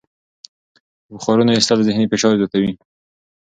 د بخارونو ایستل ذهني فشار زیاتوي.